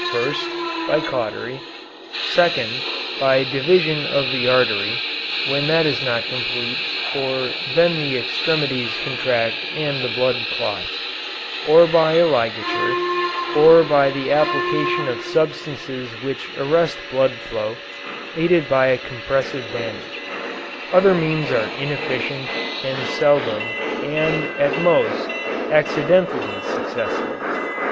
First, by cautery; second, by division of the artery, when that is not complete for then the extremities contract and the blood clots or by a ligature, or by the application of substances which arrest blood flow, aided by a compressive bandage. Other means are inefficient, and seldom and, at most, accidentally successful.